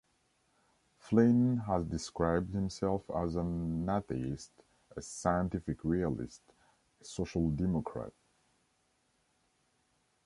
Flynn has described himself as an "atheist, a scientific realist, a social democrat".